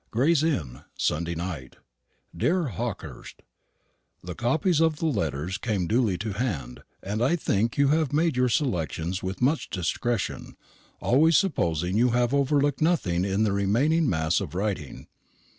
"Gray's Inn, Sunday night. "DEAR HAWKEHURST, The copies of the letters came duly to hand, and I think you have made your selections with much discretion, always supposing you have overlooked nothing in the remaining mass of writing.